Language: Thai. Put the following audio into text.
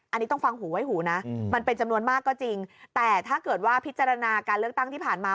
อันนี้ต้องฟังหูไว้หูนะมันเป็นจำนวนมากก็จริงแต่ถ้าเกิดว่าพิจารณาการเลือกตั้งที่ผ่านมา